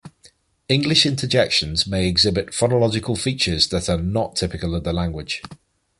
English interjections may exhibit phonological features that are not typical of the language.